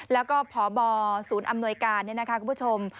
แล้วก็พบศูนย์อำนวยการเนี่ยนะคะคุณผู้ชม